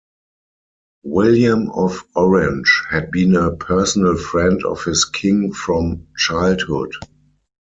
William of Orange had been a personal friend of his King from childhood.